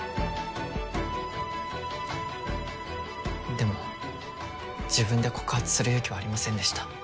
でも自分で告発する勇気はありませんでした。